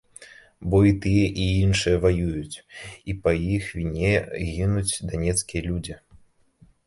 Бо і тыя і іншыя ваююць, і па іх віне гінуць данецкія людзі.